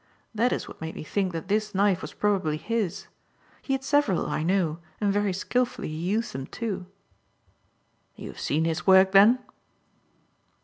That is what made me think that this knife was probably his. He had several, I know, and very skilfully he used them, too." "You have seen his work, then?"